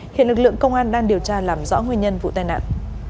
hiện lực lượng công an đang điều tra làm rõ nguyên nhân vụ tai nạn